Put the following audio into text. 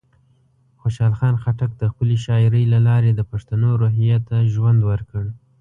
خوشحال خان خټک د خپلې شاعرۍ له لارې د پښتنو روحیه ته ژوند ورکړ.